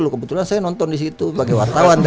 kebetulan saya nonton di situ sebagai wartawan